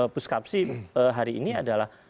puskapsi hari ini adalah